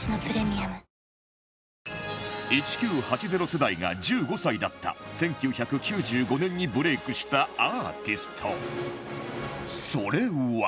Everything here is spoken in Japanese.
１９８０世代が１５歳だった１９９５年にブレークしたアーティストそれは